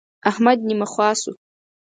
احمد نيمه خوا شو.